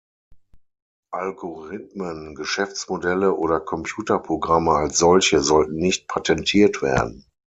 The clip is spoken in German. Algorithmen, Geschäftsmodelle oder Computerprogramme als solche sollten nicht patentiert werden.